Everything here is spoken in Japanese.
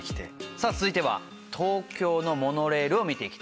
さあ続いては東京のモノレールを見ていきたいと思います。